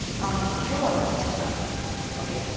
今日はちょっと。ＯＫ。